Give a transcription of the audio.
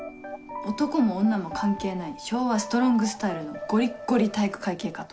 男も女も関係ない昭和ストロングスタイルのゴリッゴリ体育会系かと。